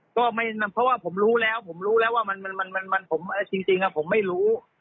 ก็เพราะว่าผมรู้แล้วผมรู้แล้วว่ามันจริงผมไม่รู้